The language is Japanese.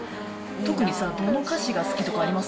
特にさ、どの歌詞が好きとかあります？